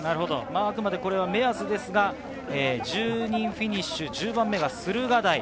あくまで目安ですが１０人フィニッシュ１０番目は駿河台。